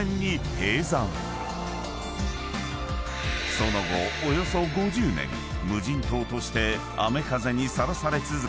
［その後およそ５０年無人島として雨・風にさらされ続け